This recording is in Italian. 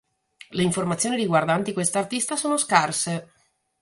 Le informazioni riguardanti questa artista sono scarse.